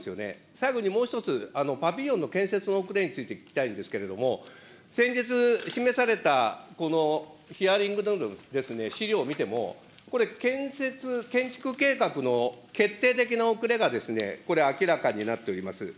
最後にもう１つ、パピリオンの建設の遅れについて聞きたいんですけれども、先日示されたこのヒアリングですね、資料見ても、これ、建設、建築計画の決定的な遅れがこれ、明らかになっております。